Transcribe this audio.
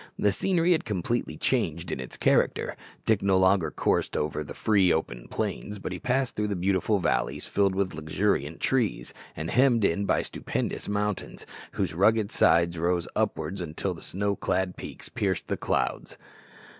The scenery had completely changed in its character. Dick no longer coursed over the free, open plains, but he passed through beautiful valleys filled with luxuriant trees, and hemmed in by stupendous mountains, whose rugged sides rose upward until the snow clad peaks pierced the clouds.